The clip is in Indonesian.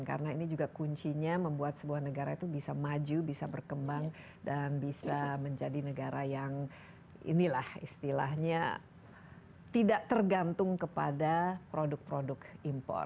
karena ini juga kuncinya membuat sebuah negara itu bisa maju bisa berkembang dan bisa menjadi negara yang inilah istilahnya tidak tergantung kepada produk produk impor